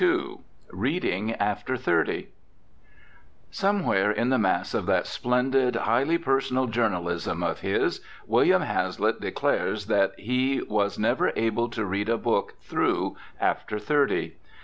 XXII READING AFTER THIRTY Somewhere in the mass of that splendid, highly personal journalism of his, William Hazlitt declares that he was never able to read a book through after thirty.